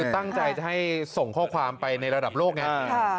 ตั้งใจจะให้ส่งข้อความไปในระดับโลกไง